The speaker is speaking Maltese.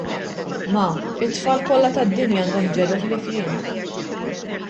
" Ma, t-tfal kollha tad-dinja għandhom ġeru ħlief jien. "